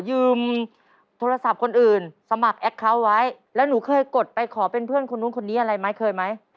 ยืมโทรศัพท์คนอื่นสมัครแอคเคาน์ไว้แล้วหนูเคยกดไปขอเป็นเพื่อนคนนู้นคนนี้อะไรไหมเคยไหม